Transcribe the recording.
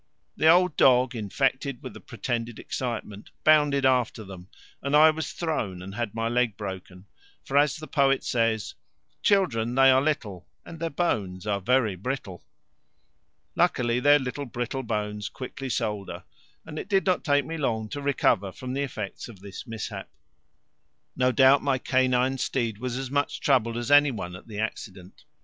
The old dog, infected with the pretended excitement, bounded after them, and I was thrown and had my leg broken, for, as the poet says Children, they are very little, And their bones are very brittle. Luckily their little brittle bones quickly solder, and it did not take me long to recover from the effects of this mishap. No doubt my canine steed was as much troubled as any one at the accident.